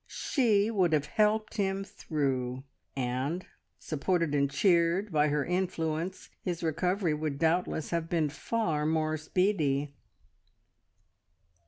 She would have "helped him through" and, supported and cheered by her influence, his recovery would doubtless have been far more speedy.